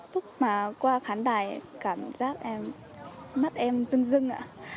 lúc mà qua khán đài cảm giác mắt em rưng rưng